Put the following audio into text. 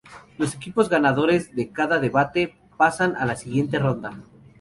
Los equipos ganadores de cada debate pasan a la siguiente ronda.